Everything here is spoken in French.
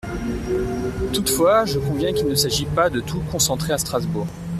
Toutefois, je conviens qu’il ne s’agit pas de tout concentrer à Strasbourg.